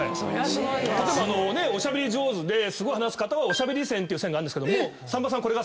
例えばおしゃべり上手ですごい話す方はおしゃべり線っていう線があるんですけども。